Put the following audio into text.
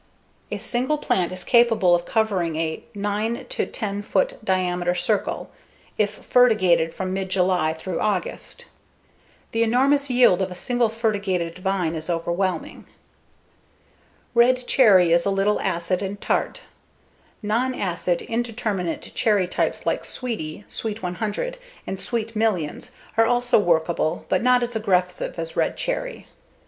A single plant is capable of covering a 9 to 10 foot diameter circle if fertigated from mid July through August. The enormous yield of a single fertigated vine is overwhelming. Red Cherry is a little acid and tart. Non acid, indeterminate cherry types like Sweetie, Sweet 100, and Sweet Millions are also workable but not as aggressive as Red Cherry.